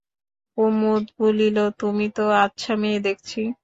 কুমুদ বলিল, তুমি তো আচ্ছা মেয়ে দেখছি।